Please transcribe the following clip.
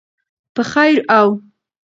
په خیر او